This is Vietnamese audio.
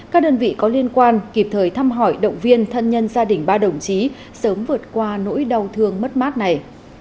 các đơn vị có liên quan kịp thời thăm hỏi động viên thân nhân gia đình ba đồng chí sớm vượt qua nỗi đau thương mất mát này